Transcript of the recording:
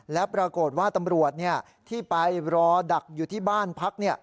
และปรากฏว่าตำรวจที่ไปรอดักอยู่ที่บ้านพัก